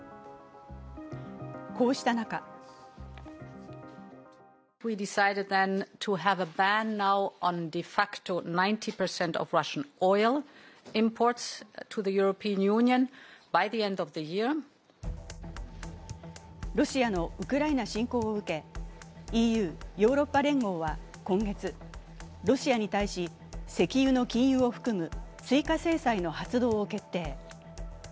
こうした中ロシアのウクライナ侵攻を受け、ＥＵ＝ヨーロッパ連合は今月、ロシアに対し、石油の禁輸を含む追加制裁の発動を決定。